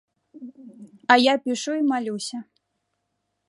А я пішу і малюся.